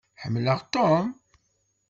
Ḥemmleɣ Tom.